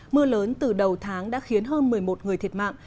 mưa lớn từ đầu tháng đã khiến hơn một mươi một người thiệt mạng